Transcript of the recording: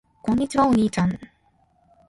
こんにちは。お兄ちゃん。